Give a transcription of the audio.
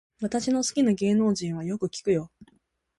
私の好きな芸能人はよく聞くよ